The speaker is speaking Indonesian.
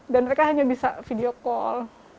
dan mereka hanya bisa video call